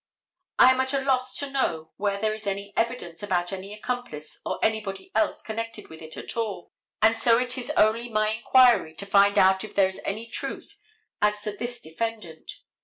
I am at a loss to know where there is any evidence about any accomplice or anybody else connected with it at all, and so it is only my inquiry to find out if there is any truth as to this defendant.